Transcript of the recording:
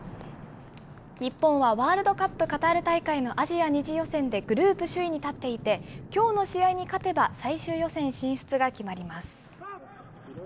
日本はワールドカップカタール大会のアジア２次予選でグループ首位に立っていて、きょうの試合に勝てば、最終予選進出が決まります。